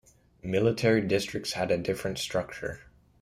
Military Districts had a different structure.